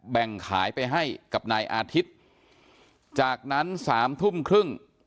แบ่งขายไปให้กับนายอาทิตย์จากนั้นสามทุ่มครึ่ง